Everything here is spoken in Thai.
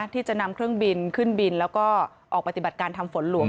ที่จะนำเครื่องบินขึ้นบินแล้วก็ออกปฏิบัติการทำฝนหลวง